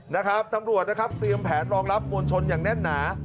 นะครับตำรวจนะครับเตรียมแผนรองรับมวลชนอย่างแน่นหนา